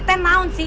itu itu sih